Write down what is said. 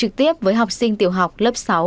trường học trực tiếp với học sinh tiểu học lớp sáu